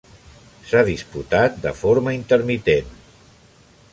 S'ha disputat de forma intermitent.